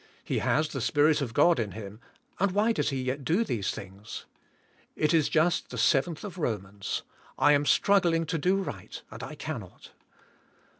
He has the Spirit of God in him, a,nd why does he yet do these things? It is just the seventh of Romans, "I am struggling to do right and I cannot."